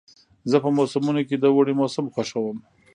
زه په موسمونو کې د اوړي موسم خوښوم.